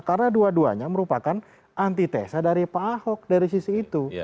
karena dua duanya merupakan antitesa dari pak auk dari sisi itu